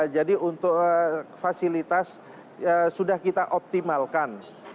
jadi untuk fasilitas sudah kita optimalkan